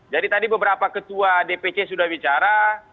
tadi beberapa ketua dpc sudah bicara